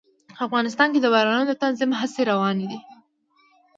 افغانستان کې د بارانونو د تنظیم هڅې روانې دي.